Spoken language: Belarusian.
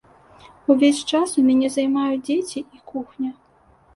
Увесь час у мяне займаюць дзеці і кухня.